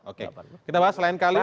oke kita bahas lain kali